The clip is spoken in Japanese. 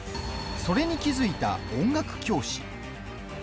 それに気付いた音楽教師。